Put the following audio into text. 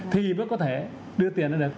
thì mới có thể đưa tiền ra được